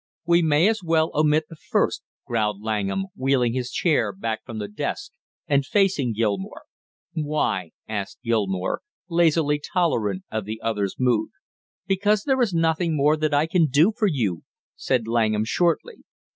"We may as well omit the first," growled Langham, wheeling his chair back from the desk and facing Gilmore. "Why?" asked Gilmore, lazily tolerant of the other's mood. "Because there is nothing more that I can do for you," said Langham shortly.